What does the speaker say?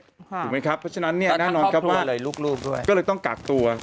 ถูกไหมครับเพราะฉะนั้นเนี่ยแน่นอนครับว่าก็เลยต้องกากตัว